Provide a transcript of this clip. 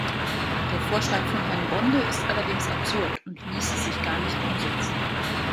Der Vorschlag von Herrn Bonde ist allerdings absurd und ließe sich gar nicht umsetzen.